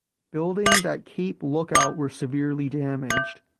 Buildings at Cape Lookout were severely damaged.